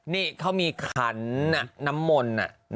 นี่เขามีขันน้ำมนต์